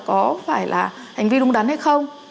có phải là hành vi đúng đắn hay không